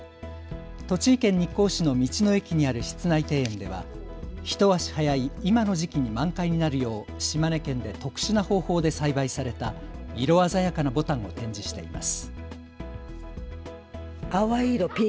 栃木県日光市の道の駅にある室内庭園では一足早い今の時期に満開になるよう島根県で特殊な方法で栽培された色鮮やかなぼたんを展示しています。